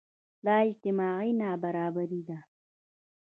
دا اجتماعي نابرابري ده.